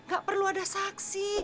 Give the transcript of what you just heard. gak perlu ada saksi